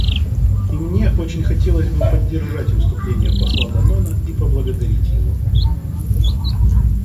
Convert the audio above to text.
И мне очень хотелось бы поддержать выступление посла Данона и поблагодарить его.